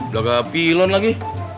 udah gak pilon lagi